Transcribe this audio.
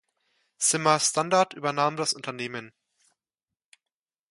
Sima-Standard übernahm das Unternehmen.